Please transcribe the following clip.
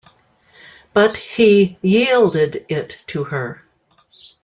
But he yielded it to her.